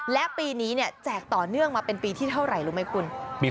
และปีนี้แจกต่อเนื่องมาเป็นปีที่เท่าไหร่รู้ไหมคุณ